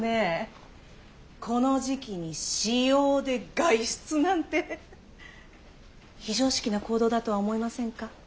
この時期に私用で外出なんて非常識な行動だとは思いませんか？